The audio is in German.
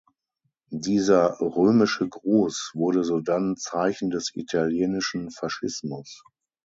Dieser „römische Gruß“ wurde sodann Zeichen des Italienischen Faschismus.